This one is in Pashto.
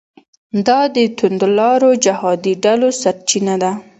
دا د توندلارو جهادي ډلو سرچینه ده.